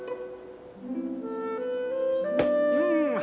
うん。